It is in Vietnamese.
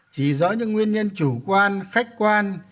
chỉ rõ những nguyên nhân chủ quan khách quan